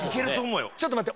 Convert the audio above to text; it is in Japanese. ちょっと待って。